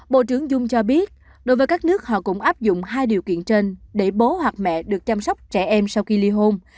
bộ trưởng dung cho biết đối với các nước họ cũng áp dụng hai điều kiện trên để bố hoặc mẹ được chăm sóc trẻ em sau khi ly hôn